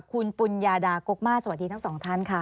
คุณปุญญาดากกมาสสวัสดีทั้งสองท่านค่ะ